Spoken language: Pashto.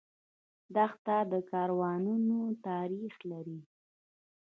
دښته د کاروانونو تاریخ لري.